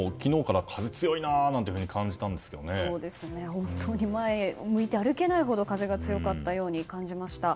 本当に前を向いて歩けないほど風が強かったように感じました。